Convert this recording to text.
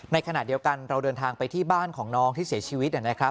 ในขณะเดียวกันเราเดินทางไปที่บ้านของน้องที่เสียชีวิตนะครับ